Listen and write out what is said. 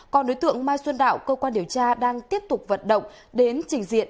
còn đối tượng mai xuân đạo cơ quan điều tra đang tiếp tục vận động đến trình diện